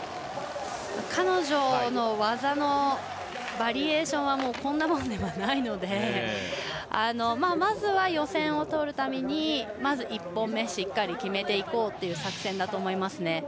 彼女の技のバリエーションこんなものではないのでまずは予選を通るためにまず１本目をしっかり決めていこうという作戦だと思いますね。